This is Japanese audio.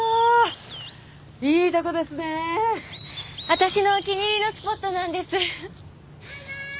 私のお気に入りのスポットなんですママー！